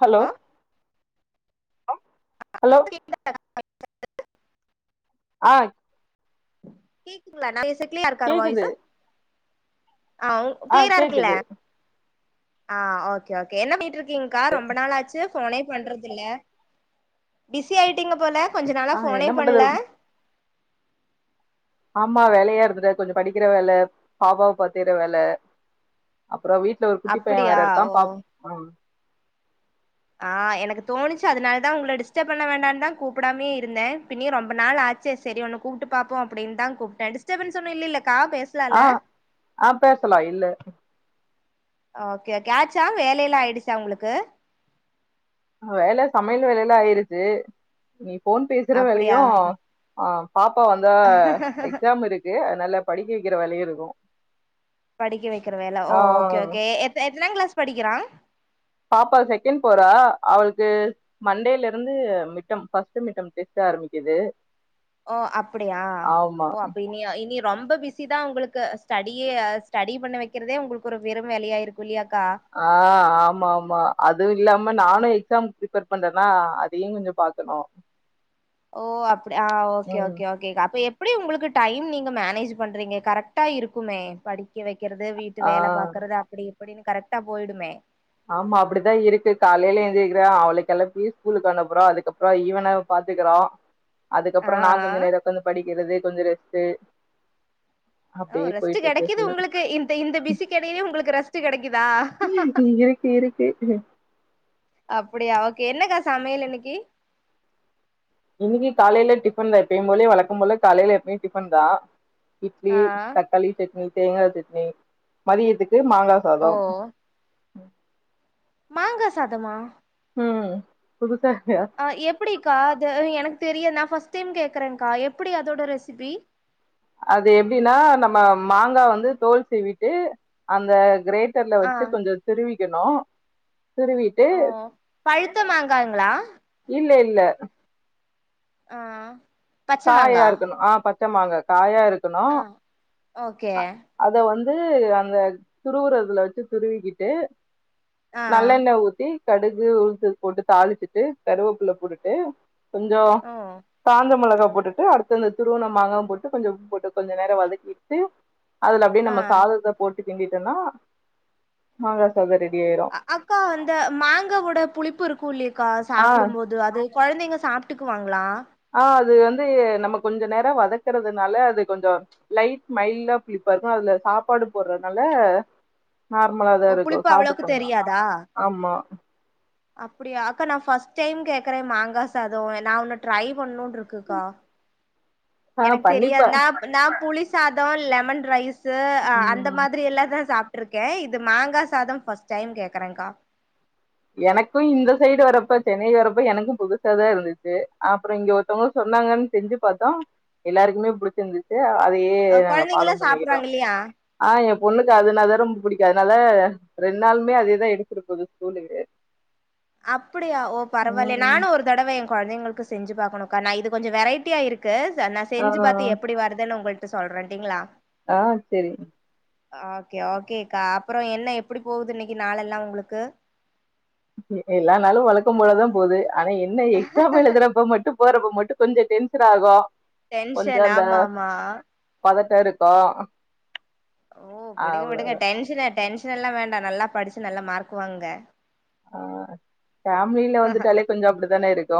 Hello லோ hello [inaudible] அ கேக்குதுங்ளா நா பேச க்ளியா இருக்கா கேக்குது வாய்சு அ ஆ க்ளிரா இருக்குல்ல கேக்குது அ ஓகே ஓகே என்ன பண்ணிட்ருக்கீங்க்கா ரொம்ப நாளாச்சு ஃபோனே பண்றதுல்ல பிஸி ஆயிட்டீங்க போல கொஞ்ச நாளா ஆ என்ன ஃபோனே பண்றது பண்ல ஆமா வேலையா இருந்துட்ட கொஞ்சோ படிக்கிற வேல பாப்பாவ பாத்துக்ற வேல அப் புறோ வீட்ல ஒரு குட்டி பைய அப்டியா வேற இருக்கா ஓ பா [unintelligible] அ எனக்கு தோணுச்சு அதனால தா உங்கள டிஸ்டப் பண்ண வேண்டான் தா கூப்புடாம்யே இருந்தே பின்னியு ரொம்ப நாள் ஆ சேர் சேரி உன்னு கூப்ட்டு பாப்போ அப்படின் தா கூப்ட்டே டிஸ்டபன்ஸ் ஒன்னு இல்லில அ அ பேசலா இல்ல ஓகே கே ஆச்சா வேல எல்லா ஆயிடுச்சா உங்குளுக்கு வேல சமையல் வேலயெல்லா ஆயிருச்சு நீ ஃபோன் பேசுற வேலையு அப்டியா அ பாப்பா வந்தா எக்ஸாம் இருக்கு அத்னால படிக்க வெக்கிற வேலயுருக்கு படிக்க வெக்கிற வேல ஓ ஓகே ஓகே எல் எத்னாங் க்ளாஸ் படிக்கிறா பாப்பா செகண் போறா அவளுக்கு மண்டேலிருந்து மிட்டம் ஃபஸ்ட்டு மிட்டம் டெஸ்டு ஆரம்பிக்குது ஓ அப்படியா ஆமா ஓ அப்ப இனி இனி ரொம்ப பிஸி தா உங்களுக்கு ஸ்டடியே அ ஸ்டடி பண்ண வெக்கிறதே உங்குளுக்கு ஒரு பெரு வேலயா இருக்கு இல்லியா அ ஆமா ஆமா அதுவு இல்லாம நானு எக்ஸாம் ப்ரிப்பர் பண்றனா அதையு கொஞ்சோ பாக்கனோ ஓ அப்படி அ ஓகே ஓகே ஓகேக்கா அப்ப எப் படி உங்குளுக்கு டைம் நீங்க மேனேஜ் பண்றீங்க கரெக்டா இருக்குமே படி க்க வெக்கறது வீட்டு ஆ. வேல பாக்குறது அப்படி இப்படினு கரெக்டா போய்டுமே ஆமா அப்படிதா இருக்கு காலேல எந்திரிக்கிற அவள கெளப்பி ஸ்கூலுக்கு அனுப்புற அதுக்கப்றோ இவன பா த்துக்குறோ ஆ அதுக்கப்பறோ நா கொஞ்ச நேர உக்காந்து படிக்கிறது கொஞ்ச ரெஸ்டு ஓ ரெஸ்டு கெடைக்குது உங்குளுக்கு இந்த இந்த பிசிக்கெடைலியு உங்குளுக்கு ரெஸ்டு கெடைக்குதா [unintelligible] அப்படியா ஓகே என்னகா சமையல் இன்னிக்கி இன்னிக்கு காலைல டிஃபன் தா எப்பயும் போல வளக்கம் போல காலைல எப்பயும் டிஃபன் தா இட்லி ஆ தக்காளி சட்னி தேங்கா சட்னி மதியத்துக் கு மாங்கா ஓ சாதோ மாங்க சாதமா ம் புதுசா அ எப்டிக்கா அது எனக் தெரிய நா ஃபர்ஸ்ட் டைம் கேக்குறேங்கா எப்டி அதோட ரெசிபி அது எப்டினா நம்ம மாங்கா வந்து தோல் சீவிட்டு அந்த கிரேட்டர்ல ஆ வச்சு கொஞ்ச துருவிக்கணு ஓ பழுத்த மாங்காங்க்ளா இல்ல இல்ல ஆ பச்ச காயா மாங்கா இருக்கணு ஆ பச்ச மாங்கா காயா இருக்கணு ஆ ஓகே அ அத வந் து அந்த துருவுறதுல வச்சு துருவிக்கிட்டு ஆ நல்லெண்ண ஊத்தி கடுகு உல்து போட்டு தாளிச்சுட்டு கருவேபில போட்டுட்டு கொஞ்ச ஓ காஞ்சா மொளகா போட்டுட்டு அடுத்து அந்த துருவுன மாங்கா போட்டு கொஞ்ச உப்பு போட்டு கொஞ்ச நேர வதக்கிட்டு அதுல அப்டியே ஆ நம்ம சாதத்த போட்டு கிண்டிட்டோனா மாங்கா சாதொ ரெ அ அக்கா அந்த மாங்காவோட புளிப்பு இருக்கு இல்லி கா ஆஹ் சாப்புடும் போது அது கொழந்தைங்க சாப்ட்டுக்குவாங்ளா ஆ அது வந்து நம்ம கொஞ்ச நேர வதக்கறதுனால அது கொஞ்ச லைட் மைல்டா புலி பா இருக்கு அதுல சாப்பாடு போட்றனால நார்மலா தா ஓ இருக்கு புளிப்பு சாப்டு அவ்ளோக்கு பாங்க தெரியாதா ஆமா அப்டியா அக்கா நா ஃபர்ஸ்ட் டைம் கேக்குற மாங்கா சாதோ எ நா ஒன்னு ட்ரை பண்ணுன்ருக்குக்கா ஆ எனக்கு தெரியாது பண்ணிப்பேன். நா நா புளி சாதோ லெமன் ரைஸ் ஸூ அந்த ம். மாதிரி எல்லாதையு சாப் ட்ருக்கே இது மாங்கா சாதம் ஃபஸ்ட் டைம் கேக்குறேங்கா எனக்கு இந்த சைடு வரப்ப சென்னை வரப்ப எனக்கு புதுசா தா இருந்துச்சு அப்புறோ இங்க ஒருத்தவங்க சொ சொன்னாங்கன் செஞ்சு பாத்தா எல்லாருக்குமே புடிச்சிருந்துச்சு அதையே அ நாங்க ஃபாலோ கொழந்தைங்கல்லா பண்ணிக்கிட்டோ சாப்டுறாங்க இல்லையா ஆ எ பொண்ணுக்கு அதுனா தா ரொம்ப புடிக்கு அதனால ரெண் நாளுமே அதேதா எடுத்துடுபோது ஸ்கூலுக்கு அப்டியா ஓ பரவாலயே ம். நானு ஒரு தடவ எ கொழந்தைங்ளுக்கு செஞ்சு பாக்கணுகா நா இது கொஞ்ச வெரைட்டியா இருக்கு ச நா ஆ. செஞ்சு பாத்து எப்டி வருதுன்னு உங்கள் ட சொல்றன்டிங்களா ஆ செரி ஓகே ஓகே கா அப்புறௌ என்ன எப்படி போவுது இன்னிக்கி நாள் எல்லா உங்களுக்கு எல்லா நாலு வழக்கம் போலதா போது ஆனா என்ன எக்ஸாம் எழுதுறப்ப மட்டு போறப்ப மட்டு கொஞ்ச டென்ஷன் ஆகு கொஞ்ச டென்ஷன் அந்த ஆமா ஆமா பதட்ட இருக்கு ஓ விடுங்க விடுங்க டென்ஷனு டென்ஷன் எல்லா வேண்டா நல்லா படிச்சு நல்லா மார்க் வாங்குங்க ஆ ஃபேமிலினு வந்துட்டாலே கொஞ்சோ அப்டித்தான இருக்கு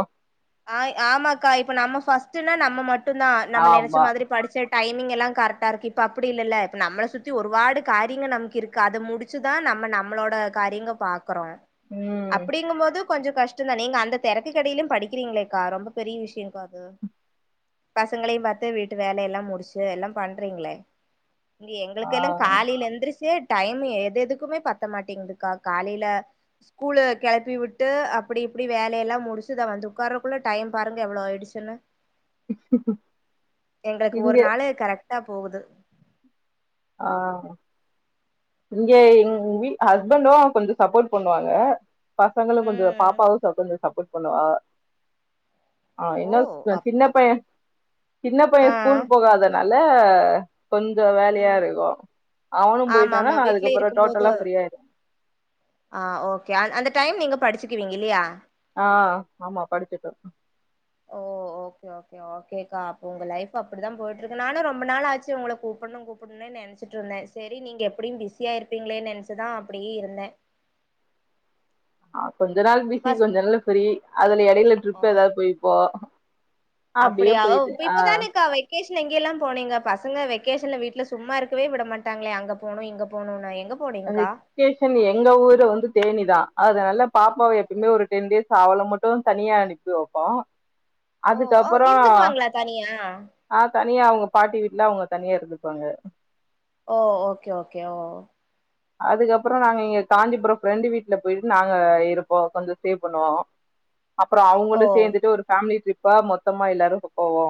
ஆ ஆமாக்கா இப்ப நம்ம ஃபஸ்ட்டுனா நம்ம மட்டுதா நம்ம நெனச்ச ஆமா. மாதிரி படிச்ச டைமிங் எல்லா கரெக்டா இருக்கு இப்ப அப்டி இல்லல்ல இப்ப நம்மள சுத்தி ஒரு வாடு காரிங்க நம்கு இருக்கு அது முடிச்சுதா ந ம்ம நம்மளோட காரியங்க பாக் கறோ ம். அப்டிங்கும் போது கொஞ்சொ கஷ்டொ தா நீங்க அந்த தெரக்கு கடியிலு படிக் குறீங்களேக்கா ரொம்ப பெரிய விஷயோ கா அது பசங்களையு பாத்து வீட்டு வேலையெல்லா முடிச்சு எல்லா பண்றீங்களே இங்க ஆ எங்களுக்கெல்லா காலைல எந்துருச்சு டைம் எது எதுக்குமே பத்த மாட்டேங்குதுக்கா காலையில ஸ்கூலு கெளப்பி விட்டு அப்டி இப்டி வேலயெல்லா முடிச்சு தா வந்து உக்காரக்குள்ள டைம் பாருங்க எவ்ளோ ஆய்டுச்சுன்னு எங்களுக்கு இங்க ஒரு நாலு கரெக்டா போகுது ஆ இங்க இங் வீ ஹஸ்பண்டு கொஞ்ச சப்போர்ட் பண்ணுவாங்க பசங்களு கொஞ்ச ம் பாப்பாவு சப் கொஞ்ச சப்போர்ட் பண்ணுவா ஆ ஆ ஓ இன்னு அப் சின்ன அப் பைய சின்ன பைய ஆ ஸ்கூல் போகாதனால ஆ கொஞ்ச வேலயா இருக்கு அவனு ஆமா போயிட்டானா ஆமா நா வீட்ல அதுக்கப்றோ இருக்கும்போது டோட்டலா ஃப்ரீயா ஆய்டு ஆ ஓகே அந் அந்த டைம் நீங்க படுச்சுகுவீங்க இல்லியா ஆ ஆமா படிச்சுப ஓ ஓகே ஓகே ஓகேக்கா அப்ப உங்க லைஃப் அப்டிதா போட்ருக்கு நானு ரொம்ப நாள் ஆச்சு உங்கள கூப்புட்னு கூப்புட்னுனே நெனச்சிட்டு இருந்தே செரி நீங்க எப்டியு பிஸியா இருப்பிங்ளேனு நெனச்சுதா அப்டியே இருந்தே அ கொஞ்ச நாள் பிஸி ஃபர்ஸ்ட் கொஞ்ச நாள் ப்ஃரீ அதுல எடையில ட்ரிப் எதாவது போயிப்போ அப்படியாவ் இ இப்பதானேக்கா வெ வெக்கேஷன் எங்கேல்லா போனீங்க பசங்க வெகேஷன்ல வீட்ல சும்மா இருக்கவே விட மாட்டாங்ளே அங்க போனு இங்க போனுனு எங் வெக்கேஷன் எங்க ஊரு வந்து தேனிதா அதுனால பாப்பாவை எப்பவுமே ஒரு டென் டேஸ் அவள மட்டு தனியா அனுப்பி வப்போம் ஓ ஓ அதுக்கப்பறோ இருந்துக்குவாங்களா தனியா ஆ த னியா அவுங்க பாட்டி வீட்ல அவுங்க தனியா இருந்துபாங்க ஓ ஓகே ஓகே ஓ அதுக்கப்றோ நாங்க இங்க காஞ்சிபுரோ ஃப்ரெண்டு வீட்ல போயிட்டு நாங்க இருப்போ கொஞ்ச சேவ் பண்ணுவோ அப்பறோ ஓ அவுங்களு சேர்ந்துட்டு ஒரு ஃபேமிலி ட்ரிப்பா மொத்தமா எல்லாரு போவோ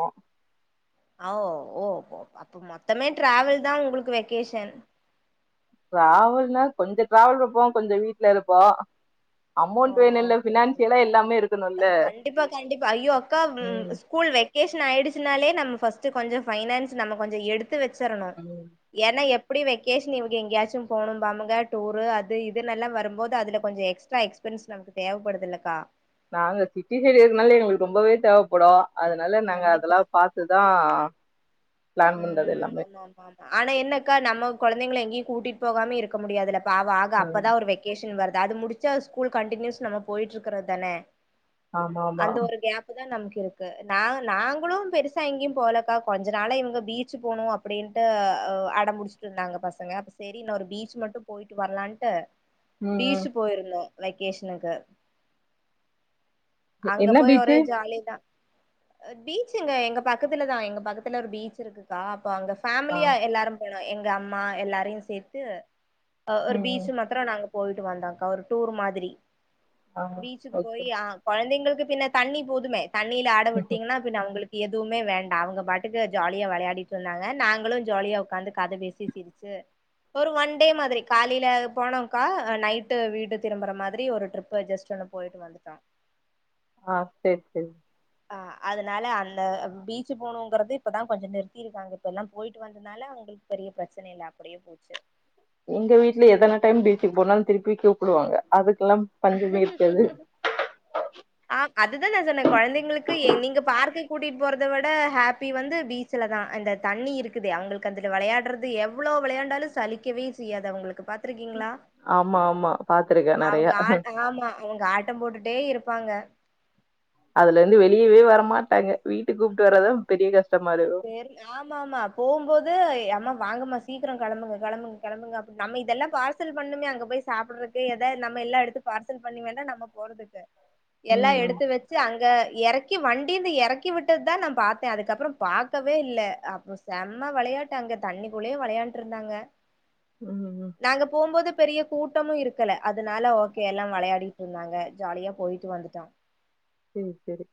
அவ் ஓ மொத்தமே ட்ராவல் தா உங்ளுக்கு வெக்கேஷன் ட்ராவல்னா கொஞ்சொ ட்ராவல் இருப்போ கொஞ்ச வீட்ல இருப்போ ஓ அமௌண்ட் வேணும்ல்ல ஓகே ஓகே பினான்சியலா எல்லாமே இருக்கணும்ல்ல கண்டிப்பா கண்டிப்பா ஐயோ அக்கா ம் ஸ்கூல் வை கேஸ்நாயுடுச்சுனாலே நம்ம ஃபர்ஸ்டு கொஞ்ச ஃபைனான்ஸ் நம்ம கொஞ்ச எடுத்து வச்சரணு ஏன்னா எப் அப்டி வெக்கேஷன் இவுங்க எங்கேயாச்சும் போகணும்பாபுங்க டூரு அது இதுனுல்லா வரும்போது அதுல கொஞ்ச எக்ஸ்ட்ரா எக்ஸ் ஃபிரண்ட்ஸ் நமக்கு தேவப்படுதுல்லக்கா நாங்க சிட்டி சைடு இருக்கனால எங்ளுக்கு ரொம்பவே தேவப்படு அதனால நாங்க கண்டிப்பா அதெல்லா பாத்துதா பிளான் பண்றது உம் எல்லாமே ஆமா ஆமாமா ஆனா என்னக்கா நம்ம கொழந்தைங்ள எங்கேயு கூட்டிட் போகாம இருக்க முடியாதுலக் பாவ ஆகா அப்பதா ஒரு வெக்கேஷன் வருது அது முடுச்சு அது ஸ்கூல் கண்டினியூஸ் நம்ம போயிட்டு இருக்றது தனே ஆமா ஆமா அந்த ஒரு கேபு தா நமக்கு இருக்கு நா நாங்ளும் பெருசா எங்கேயு போலக்கா கொஞ்ச நாளா இவுங்க பீச் போனு அப்டின்டு அ அடம்புடுச்சிட்டு இருந்தாங்க பசங்க செரி ஒரு பீச் மட்டு போயிட்டு வர்லா ன்ட்டு ம் பீச் ம் போயிருந்தோ வெக்கேஷனுக்கு அங்க என்ன போய் ஒரே பீச்சு ஜாலிதா பீச் எங்க எங்க பக்கத்துலதா எங்க பக்கத்துல ஒரு பீச் இருக்குக்கா அங்க ஆ ஃபேமிலியா எல்லாரு போனோ எங்க அம்மா எல்லாரையு சேத்து ஒரு ம் ம் பீச்சு மத்தரோ நாங்க போயிட்டு வந்தாக்கா ஒரு டூர் மாதிரி ஆ பீச்சுக்கு ஓகே போய் ஆ குழந்தைங்ளுக்கு பின்ன தண்ணி போதுமே தண்ணில ஆட விட்டீங்ன்னா பின்ன அவுங்ளுக் எதுவுமே வேண்டா அவுங்க பாட்டுக்கு ஜாலியா வெளையாடிட்டு இருந்தாங்க நாங்களு ஜாலியா உக்காந்து கத பேசி சிருச்சு ஒரு ஒன் டே மாதிரி காலையில போனோங்கா நைட்டு வீடு திரும்புற மாதிரி ஒரு ட்ரிப் ஜஸ்டு இல்ல போயிட்டு வந்துட்டா ஆ செரி செரி அ அதுனால அந்த பீச்சு போனுங்றது இப்பதா கொஞ்ச நிறுத்தி இருக்காங்க இப்பெல்லா போயிட்டு வந்தனால அவுங் உங்களுக்கு பெரிய பிரச்சனை இல்ல அப்டியே போச்சு எங்க வீட்ல எத்தன டைம் பீச்சுக்கு போனாலும் திருப்பி கூப்பிடுவாங்க அதுக் கெல்லாம் பஞ்சமே இருக்காது ஆ அதுதான் நா சொன்ன குழந்தைங்கலுகு எ நீங்க பார்க்கு கூட்டிட்டு போறத விட ஹாப்பி வந்து பீச்சல தா அந்த தண்ணி இருக்குதே அவ்களுக்கு அதுல விளையாடுறது எவ்ளோ விளையான்டாலும் சலிக்கவே செய்யாது அவங்களுக்கு பாத்துருக்கீங்களா ஆமா ஆமா பாத்துருக்க நெரைய அவங்க ஆ ஆமா அவங்க ஆட்டம் போட்டுட்டே இருப்பாங்க அதுல இருந்து வெளியவே வரமாட்டாங்க வீட்டுக்கு கூப்ட்டு வர்றதா பெரிய கஸ் செரி ஆமா ஆமா போம்போது அம்மா வாங்கமா சீக்கிரம் கெளம்புங்க கெளம்புக்க கெளம்புங்க அ நம்ம இதெல்லாம் பார்சல் பண்ணுமே அங்க போய் சாப்றதுக்கு ஏத நம்ம எல்ல எடுத்து பார்சல் பண்ணி வேணா நம்ம போறதுக்கு எல்லா ம் ம் எடுத்து வச்சு அங்க எறக்கி வண்டிந்து எறக்கி விட்டது தா நா பாத்த அதுக்கப்ரோம் பாக்கவே இல்ல அப்போ செம்ம விளையாட்டு அங்க தண்ணிக்குள்ளேயே விளையாண்டுட்டு இருந்தாங்க ம் ம் நாங்க போம்போது பெரிய கூட்டமு இருக்கல்ல அதனால ஓகே எல்லா விளையாடிட்டு இருந்தாங்க ஜாலியா போயிட்டு வந்துட்டோம் செர் செரி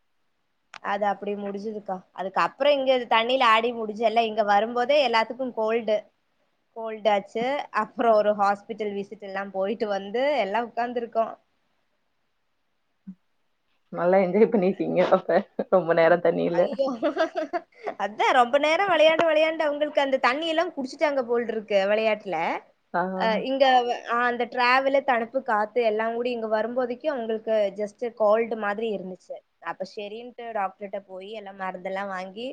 அது அப்டி முடிஞ்சதுக்கா அதுக்கப் அப்புறோ இங்க தண்ணியில ஆடி முடிஞ்சு அல்ல இங்க வரும்போதே எலத்துக்கும் கோல்டு கோல்டு ஆச்சு அப்ரோ ஒரு ஹாஸ்பிட்டல் விசிட் எல்லா போயிட்டு வந்து எல்லா உக்காந்துருக்கோ நல்லா என்ஜாய் பண்ணிருக்கீங்க அப்ப ரொம்ப நேர ஐயோ அதா ரொம்ப நேரம் விளையாண்டு விளையாண்டு அவங்களுக்கு அந்த தண்ணி எல்லா குடிச்சுட்டாங்க போல்ருக்கு வளையாட்டுல ஆ அ இங்க வ ஆ அந்த டிராவலே தனப்பு காத்து எல்லா கூடி இங்க வரும்போதைக்கு அவங்களுக்கு ஜஸ்ட்டு கோல்டு மாதிரி இருக் துசு அப்ப ஷேரிண்ட்டு ரட போய் எல்லா மருந்தெல்லாம் வாங்கி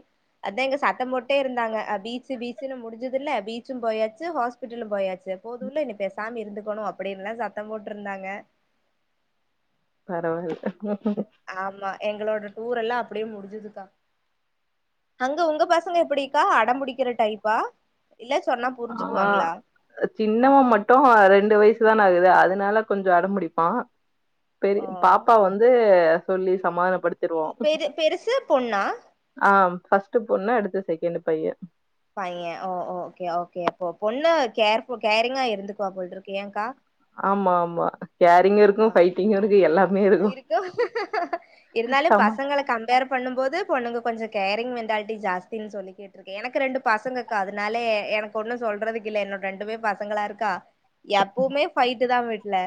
அதா இங்க சத்த போட்டே இருந்தாங்க பீச்சு பீச்சுனு முடிஞ்சதுல ல பீச்சும் போயாச்சு ஹாஸ்பிட்டலும் போயாச்சு சு போதுல இனி பேசாம இருந்துக்கணும் அப்படின்னுல்லாம் சத்தம் போட்ருந்தாங்க பரவாயில் ஆமா எங்களோட டூர் எல்லாம் அப்டி முடிஞ்சுதுக்கா அங்க உங்க பசங்க எப்படிக்கா அடம்புடிக்கிற டைப்பா இல்ல சொன்னா ஆ புரிஞ்சுக்குவாங்களா சின்னவ மட்டு ரெண்டு வயசு தானே ஆகுது அதனால கொஞ்சோ அடம்பிடிப்பா பெரிய ஆ பாப்பா வந்து சொல்லி சமாதான படுத்திருவோம் பெரு பெருசு பொண்ணா ஆ பஸ்ட்டு பொண்ணு அடுத்து செகண்டு பைய பைய ஓ ஓகே ஓகே அப்போ பொண்ணு கேர்போ கேரிங்கா இருந்துக்குவ போல்ருக்கு ஏங்க்க ஆமா ஆமா கேரிங்கு இருக்கூ ஃபைட்டிங்கும் இருக்கூ எல்லா இருக்கு இருந்தாலும் ஆமா பசங்கள கம்பேர் பண்ணும்போது பொண்ணுங்க கு கொஞ்சோ கேரிங் மென்டாலிட்டி ஜாஸ்தின்னு சொல்லிகேட்ருக்கே எனக்கு ரெண்டு பசங்ககா அதனால எனக்கு ஒண்ணு சொல்ற கில்ல என்னொட ரெண்டுமே பசங்களா இருக்கா எப்பவுமே ஃபைட்டு தா வீட்டுல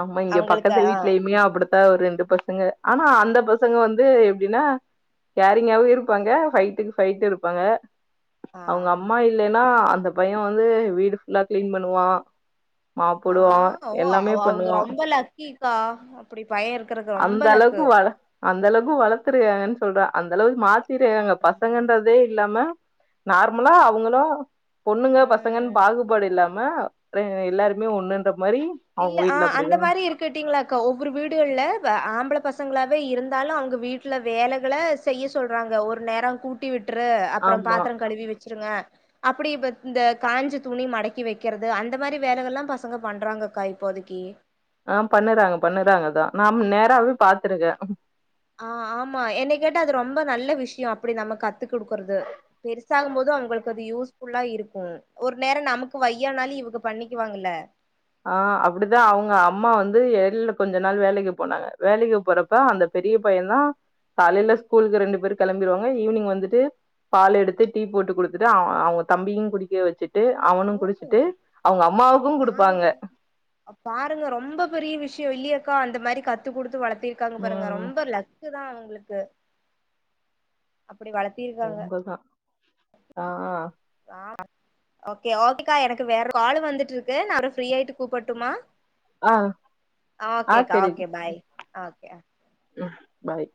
ஆமா இங்க பக்கத்து வீட்லேயுமே அப் அப்படித்தா ஒரு ரெண்டு பசங்க ஆனா அந்த பசங்க வந்து எப்டின்னா கேரிங்காவு இருப்பாங்க பைட்டுக்கு பைட்டு இருப்பாங்க ஆ அவங்க அம்மா இல்லேன்னா அந்த பையன் வந்து வீடு புல்லா கிளீன் பண்ணுவா மாப் ஆ போடுவா ஓ எல்லாமே அவ அவங்க வா ரொம்ப லக்கிக்கா அப்டி பைய இருக்கறக்கு ரொம்ப அந்த லக்கு அளவுக்கு வள அந்த அளவுக்கு வளர்த்துருாங்க சொல்றா அந்தளவுக்கு மாத்திரெங்க ஆமா ஆமா பசங்கன்றதே இல்லாம நார்மலா அவுங்களு பொண்ணுங்க பசங்கன்னு ம் பாகுபாடு இல்லாம ஆ எல்லாருமே ஒண்ணுன்ற மாரி அவுங்க இல்ல வீட்டு ஆ அந்த மாரி இருக்கட்டீங்களாக்கா ஒவ்வொரு வீடுகள்ல வ ஆம்பள பச ங்களாவே இருந்தாலு அவுங்க வீட்ல வேலைகள செய்ய சொல்றாங்க ஒரு நேரோ கூட்டி வி ட்ரு அப்றோ ஆமா பாத்திரோ கழுவி வச்சு இருங்க அப்டி ப்ப இந்த காஞ்ச துணி மடக்கி வைக்கறது அந்த மாரி வேலைகள்ல்லா பசங்க பண்றாங்க கா இப்போதேக்கி ஆ பண்ணுறாங்க பண்ணுறாங்கதா நாம் நேராவே பாத்துருக்க. ஆ ஆமா என்ன கேட்ட அது ரொம்ப நல்ல விஷ்யோ அப்டி நம்ம கத்துக்குடுக்குறது பெருசாகும்போது அவுங்களுக்கு அது யூஸ்ஃபுல்லா இருக்கூ ஒரு நேரோ நமக்கு வையானாலு இவுங்க பண்ணிக்குவாங்கல்ல. ஆ அப்டித்தா அவுங்க அம்மா வந்து எல் கொஞ்ச நாள் வேலைக்கு போனாங்க வேலைக்கு போறப்ப அந்த பெரிய பையந்தா காலைல ஸ்கூலுக்கு ரெண்டு பேரு கெளம்பிடுவாங்க ஈவ்னிங் வந்துட்டு பால் எடுத்து டீ போட்டு குடுத்துட்டு அவ் அவுங்க தம்பியு குடிக்க வச்சுட் ட்டு ஓ அவனு குடிச்சிட்டு அவுங்க அம்மாவுக்கு குடுப்பாங்க. அ பாருங்க ரொம்ப பெரிய விஷ்யோ இல்லயாக்கா அந்த மாரி கத்து குடுத்து வளத் திருக்காங்க பாருங்க ம். ரொம்ப லக்குதா அவுங்களுக்கு அப்டி வளத்திருக்காங்க. உண்மதான். ஆ அ அ ஓகே ஓகேக்கா எனக்கு வேற கால் வந்துட்டுருக்கு நா ப்றோ ஃப்ரீயாய்ட்டு கூப்பட்டுமா ஆ. ஆ ஓகேக்கா ஓகே பாய் ஓகே ம் பாய்